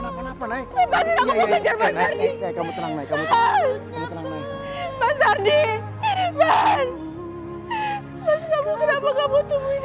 mas kenapa kamu temui aku